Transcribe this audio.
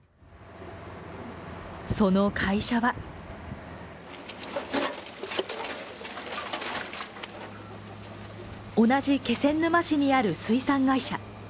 その会社は同じ気仙沼市にある水産会社。